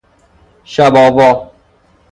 شب آوا